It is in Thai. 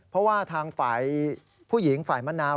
เพราะว่าทางฝ่ายผู้หญิงฝ่ายมะนาว